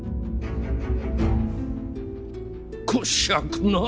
こしゃくな！